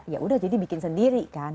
ya udah jadi bikin sendiri kan